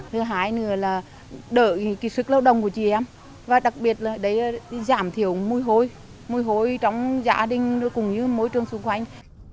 thứ hai nữa là đỡ sức lao động của chị em và đặc biệt là giảm thiểu môi hôi trong gia đình cùng với môi trường xung quanh